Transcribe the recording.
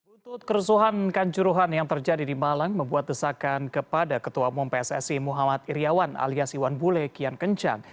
buntut kerusuhan kanjuruhan yang terjadi di malang membuat desakan kepada ketua umum pssi muhammad iryawan alias iwan bule kian kencang